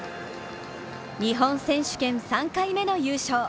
日本選手権３回目の優勝。